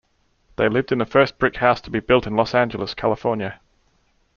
They lived in the first brick house to be built in Los Angeles, California.